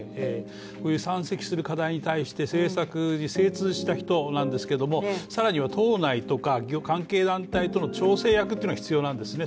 こういう山積する課題に対して政策に精通する人なんですけども更には党内とか関係団体との調整役というのが必要なんですね。